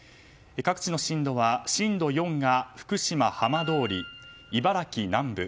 各地の震度は震度４が福島浜通り茨城南部。